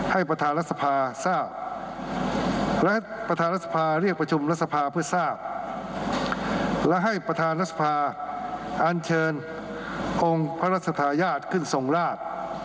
ให้ประทานัสภาษณ์ทราบ